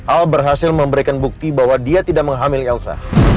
al berhasil memberikan bukti bahwa dia tidak menghamili elsa